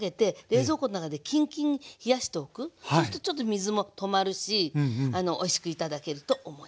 そうするとちょっと水も止まるしおいしく頂けると思います。